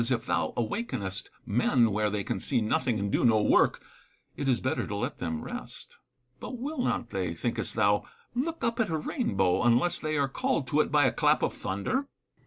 If thou awakenest men where they can see nothing and do no work, it is better to let them rest : but will not they, thinkest thou, look up at a rainbow, unless they are called to it by a clap of thunder 1 Seneca.